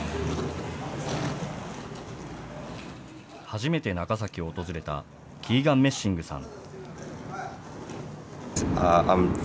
初めて長崎を訪れた、キーガン・メッシングさん。